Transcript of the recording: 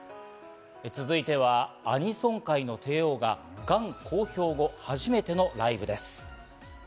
続いては、アニソン界の帝王ががん公表後、初めてのライブです。